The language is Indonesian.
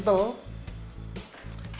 tapi rasanya kental